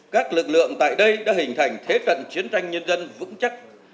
các lực lượng tại đây đã hình thành thế trận chiến tranh nhân dân vững chắc